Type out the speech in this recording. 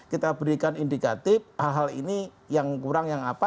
kita berikan indikatif hal hal ini yang kurang yang apa